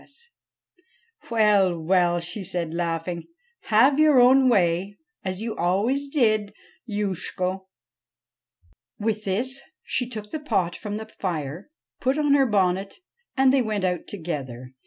A I SNEGOROTCHKA 'Well, well,' she said, laughing; 'have your own way, as you always did, Youshko.' With this she took the pot from the fire, put on her bonnet, and they went out together.